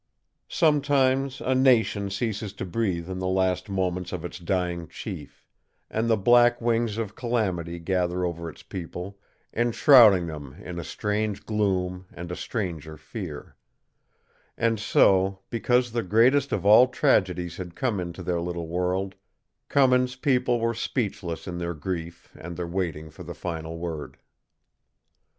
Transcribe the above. Sometimes a nation ceases to breathe in the last moments of its dying chief, and the black wings of calamity gather over its people, enshrouding them in a strange gloom and a stranger fear; and so, because the greatest of all tragedies had come into their little world, Cummins' people were speechless in their grief and their waiting for the final word.